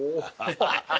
ハハハハ！